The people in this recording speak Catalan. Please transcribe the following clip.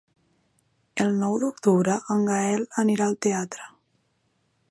El nou d'octubre en Gaël anirà al teatre.